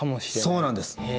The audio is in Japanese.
そうなんです。